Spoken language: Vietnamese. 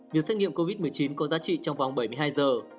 việc xét nghiệm covid một mươi chín có giá trị trong vòng bảy mươi hai giờ